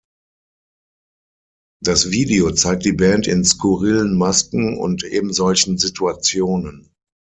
Das Video zeigt die Band in skurrilen Masken und ebensolchen Situationen.